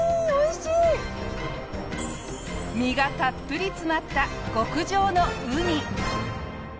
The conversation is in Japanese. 身がたっぷり詰まった極上のウニ！